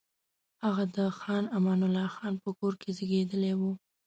هغه د خان امان الله خان په کور کې زېږېدلی وو.